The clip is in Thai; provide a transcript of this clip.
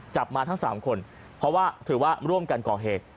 มาทั้ง๓คนเพราะว่าถือว่าร่วมกันก่อเหตุ